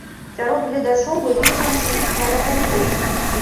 Сярод гледачоў былі і жанчыны сталага ўзросту.